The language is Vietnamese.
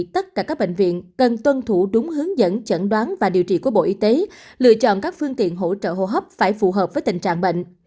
tất cả các bệnh viện cần tuân thủ đúng hướng dẫn chẩn đoán và điều trị của bộ y tế lựa chọn các phương tiện hỗ trợ hô hấp phải phù hợp với tình trạng bệnh